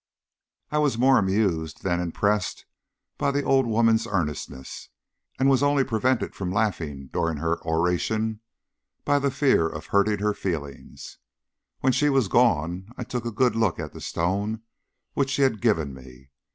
I was more amused than impressed by the old woman's earnestness, and was only prevented from laughing during her oration by the fear of hurting her feelings. When she was gone I took a good look at the stone which she had given me.